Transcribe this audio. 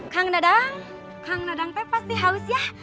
kang dadang kang dadang teh pasti haus ya